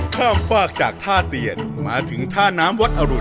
ข้ามฝากจากท่าเตียนมาถึงท่าน้ำวัดอรุณ